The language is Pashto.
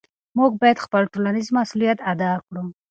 موږ باید خپل ټولنیز مسؤلیت ادا کړو.